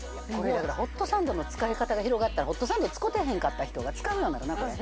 だからホットサンドの使い方が広がったらホットサンド使うてへんかった人が使うようになるなこれ。